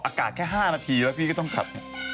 อากาศแค่๕นาทีแล้วพี่ก็ต้องขับ